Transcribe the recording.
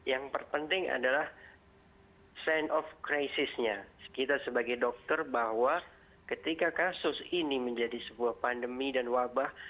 yang penting adalah stand of crisis nya kita sebagai dokter bahwa ketika kasus ini menjadi sebuah pandemi dan wabah